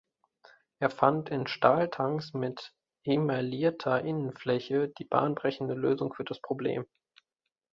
Er fand in Stahltanks mit emaillierter Innenfläche die bahnbrechende Lösung für das Problem.